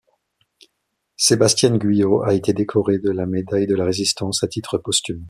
Sébastienne Guyot a été décorée de la médaille de la Résistance à titre posthume.